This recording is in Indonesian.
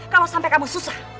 kalau sampai kamu susah